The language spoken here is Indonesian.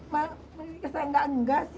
mak ini saya enggak enggak sih